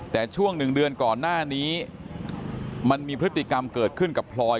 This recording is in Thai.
แต่ช่วงหนึ่งเดือนก่อนหน้านี้มันมีพฤติกรรมเกิดขึ้นกับพลอย